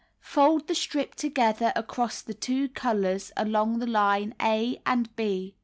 Fold the strip together across the two colors along the line o and h.